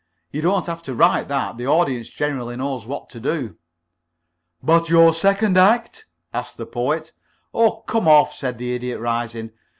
"You don't have to write that. The audience generally knows what to do." "But your second act?" asked the Poet. "Oh, come off," said the Idiot, rising.